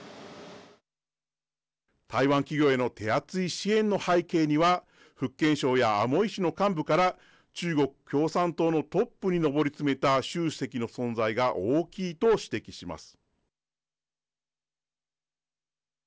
台湾企業への手厚い支援の背景には福建省やアモイ市の幹部から中国共産党のトップに上り詰めた習主席の存在が大きいと指摘します。